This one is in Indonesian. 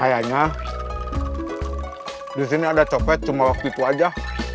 ayahnya disini ada copet cuma waktu itu aja